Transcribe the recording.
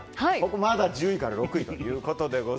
まだ１０位から６位なので。